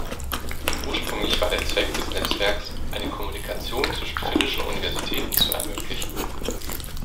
Ursprünglich war der Zweck des Netzwerks, eine Kommunikation zwischen finnischen Universitäten zu ermöglichen.